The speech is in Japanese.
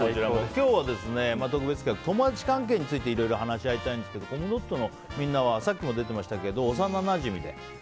今日は、友達関係についていろいろ話し合いたいですがコムドットのみんなはさっきも出てましたけど幼なじみで。